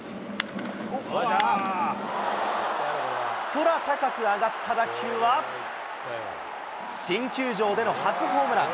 空高く上がった打球は、新球場での初ホームラン。